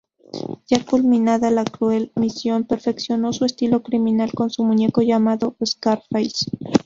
Ya culminada su cruel misión, perfeccionó su estilo criminal con su muñeco llamado "Scarface".